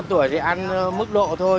tuổi thì ăn mức độ thôi